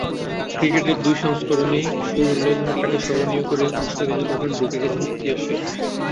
ক্রিকেটের দুই সংস্করণেই শুরুর লগ্নটাকে স্মরণীয় করে মুস্তাফিজুর রহমান ঢুকে গেছেন ইতিহাসে।